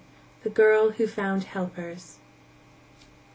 X. The Girl Who Found Helpers.